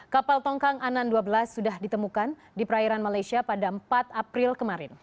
kapal tongkang anan dua belas sudah ditemukan di perairan malaysia pada empat april kemarin